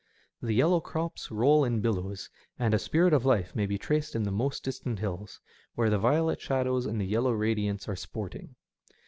The yellow crops roll in billows, and a spmt of life may be traced in the most distant hills, where the violet shadows and the yellow radiance are sporting.